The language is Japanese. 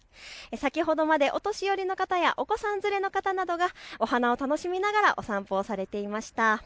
先ほどまでお年寄りの方やお子さん連れの方などがお花を楽しみながらお散歩されていました。